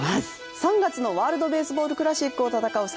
３月のワールドベースボールクラシックを戦う侍